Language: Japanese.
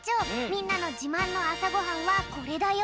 みんなのじまんのあさごはんはこれだよ。